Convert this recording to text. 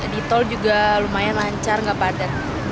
di tol juga lumayan lancar nggak padat